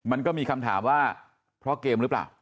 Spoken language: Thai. มันก็มีคำถามว่าเพราะเกมหรือเปล่า